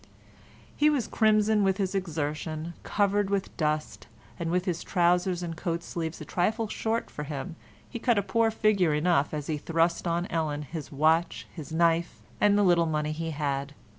He was crimson with his exertion; covered with dust, and with his trousers and coat sleeves a trifle short for him he cut a poor figure enough as he thrust on Ellen his watch, his knife, and the little money he had.